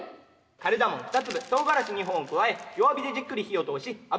カルダモン２粒とうがらし２本を加え弱火でじっくり火を通し油に。